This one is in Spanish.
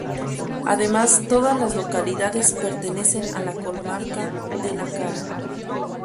Además, todas las localidades pertenecen a la Comarca de Lácara.